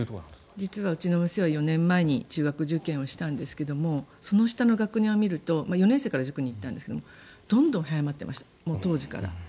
実は、うちの娘は４年前に中学受験をしたんですがその下の学年を見ると４年生から塾に行ったんですがどんどん早まっていました当時から。